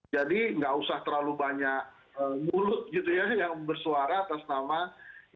jadi nggak usah terlalu banyak mulut yang bersuara atas nama istana